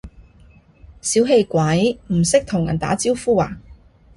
小氣鬼，唔識同人打招呼呀？